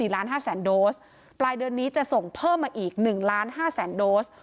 ๕๐๐๐โดสปลายเดือนนี้จะส่งเพิ่มมาอีก๑ล้าน๕แสนโดส